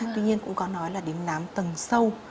tuy nhiên cũng có nói là đến nám tầng sâu